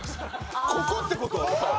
ここって事！？